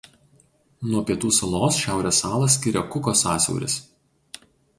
Nuo Pietų salos Šiaurės salą skiria Kuko sąsiauris.